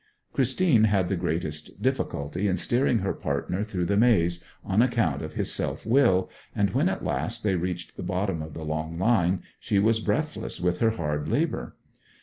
Christine had the greatest difficulty in steering her partner through the maze, on account of his self will, and when at last they reached the bottom of the long line, she was breathless with her hard labour..